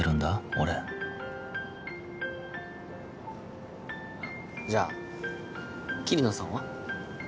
俺じゃあ桐野さんは？